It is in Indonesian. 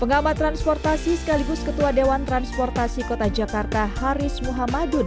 pengamat transportasi sekaligus ketua dewan transportasi kota jakarta haris muhammadun